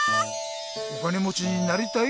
お金もちになりたい？